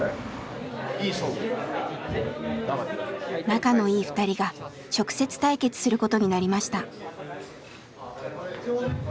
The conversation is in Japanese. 仲のいい２人が直接対決することになりました。